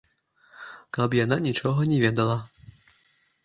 Каб яна нічога не ведала.